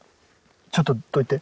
ちょっとどいて。